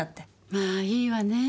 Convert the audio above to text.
まあいいわねぇ。